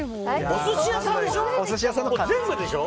お寿司屋さんでしょ？